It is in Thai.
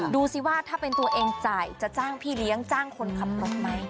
ดูสิว่าถ้าเป็นตัวเองจ่ายจะจ้างพี่เลี้ยงจ้างคนขับรถไหม